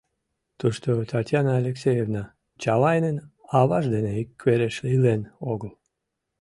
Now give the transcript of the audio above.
Тушто Татьяна Алексеевна Чавайнын аваж дене иквереш илен огыл.